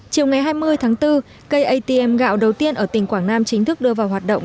chiều ngày hai mươi tháng bốn cây atm gạo đầu tiên ở tỉnh quảng nam chính thức đưa vào hoạt động